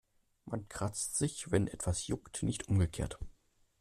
Man kratzt sich, wenn etwas juckt, nicht umgekehrt.